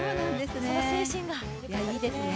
その精神がいいですね。